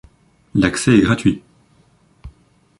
L'accès est gratuit.